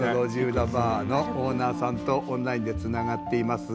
裏バーのオーナーさんとオンラインでつながっています。